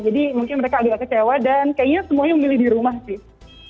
jadi mungkin mereka agak kecewa dan kayaknya semuanya memilih di rumah sih